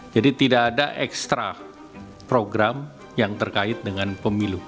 jadi tidak ada ekstra program yang terkait dengan pemilu